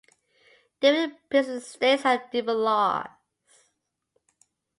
Different princely states had different laws.